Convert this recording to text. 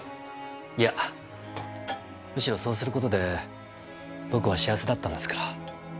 いやむしろそうする事で僕は幸せだったんですから。